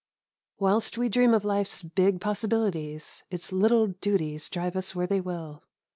Whilst we dream of life's big possibilities, its little duties drive us where they will.